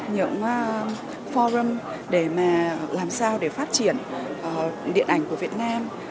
những forum để làm sao để phát triển điện ảnh của việt nam